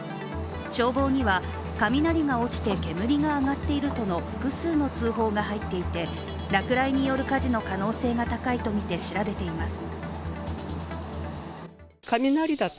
消防には、雷が落ちて煙が上がっているとの複数の通報が入っていて落雷による火事の可能性が高いとみて調べています。